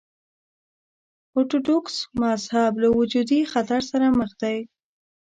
ارتوډوکس مذهب له وجودي خطر سره مخ دی.